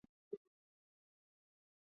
局部场电位是一类特殊的电生理信号。